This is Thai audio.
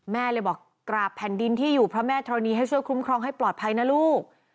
แม่เลยบอกกราบแผ่นดินที่อยู่พระแม่ธรณีให้ช่วยคุ้มครองให้ปลอดภัยนะลูก